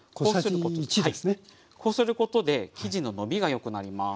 こうすることで生地ののびがよくなります。